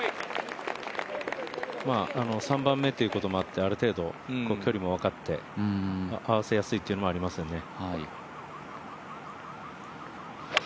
３番目ということもあってある程度距離も分かって合わせやすいというのもありますよね。